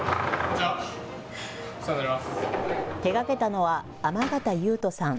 手がけたのは天方悠人さん。